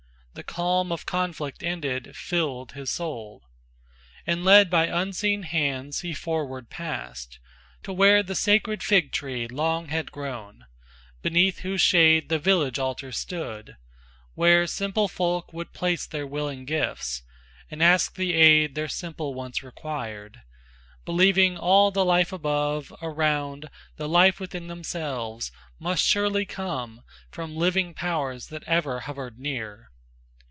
The calm of conflict ended filled his soul, And led by unseen hands he forward passed To where the sacred fig tree long had grown, Beneath whose shade the village altar stood, Where simple folk would place their willing gifts, And ask the aid their simple wants required, Believing all the life above, around, The life within themselves, must surely come From living powers that ever hovered near.